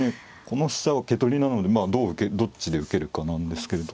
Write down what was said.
この飛車は桂取りなのでまあどっちで受けるかなんですけれど。